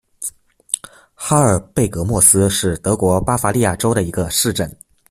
哈尔贝格莫斯是德国巴伐利亚州的一个市镇。